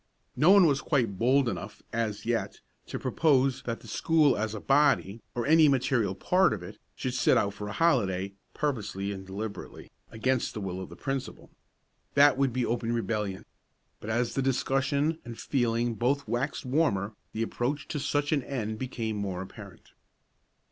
No one was quite bold enough, as yet, to propose that the school as a body, or any material part of it, should set out for a holiday, purposely and deliberately, against the will of the principal. That would be open rebellion. But as the discussion and feeling both waxed warmer, the approach to such an end became more apparent.